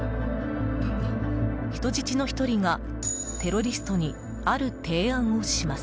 人質の１人がテロリストにある提案をします。